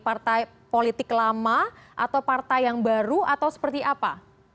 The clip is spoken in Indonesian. partai politik lama atau partai yang baru atau seperti apa